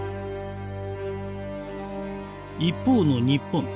一方の日本。